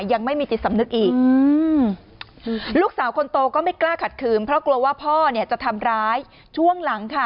ยังไม่มีจิตสำนึกอีกลูกสาวคนโตก็ไม่กล้าขัดขืนเพราะกลัวว่าพ่อเนี่ยจะทำร้ายช่วงหลังค่ะ